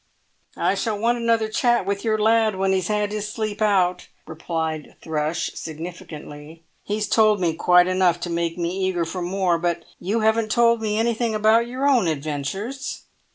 "I shall want another chat with your lad when he's had his sleep out," replied Thrush, significantly; "he's told me quite enough to make me eager for more. But you haven't told me anything about your own adventures?"